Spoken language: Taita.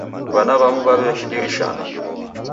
W'ana w'amu w'aw'ekimbirishana.